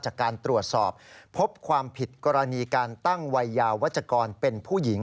จากการตรวจสอบพบความผิดกรณีการตั้งวัยยาวัชกรเป็นผู้หญิง